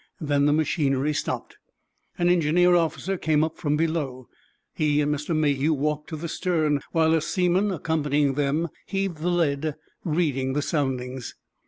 Then the machinery stopped. An engineer officer came up from below. He and Mr. Mayhew walked to the stern, while a seaman, accompanying them, heaved the lead, reading the soundings.